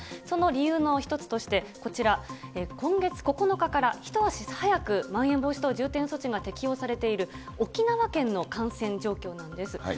その理由の一つとして、こちら、今月９日から一足早くまん延防止等重点措置が適用されている、沖縄県の感染状況なんです。